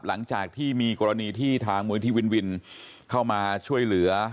หลังจากที่มีกรณีที่ทางมูลที่วินวินเข้ามาช่วยเหลือ